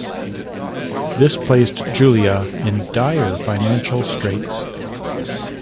This placed Julia in dire financial straits.